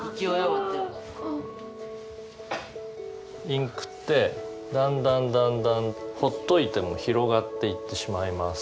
インクってだんだんだんだんほっといても広がっていってしまいます。